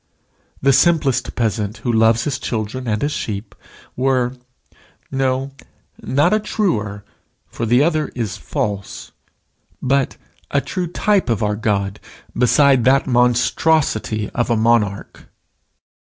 The simplest peasant who loves his children and his sheep were no, not a truer, for the other is false, but a true type of our God beside that monstrosity of a monarch.